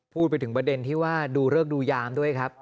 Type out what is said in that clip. พูดถึงประเด็นที่ว่าดูเลิกดูยามด้วยครับ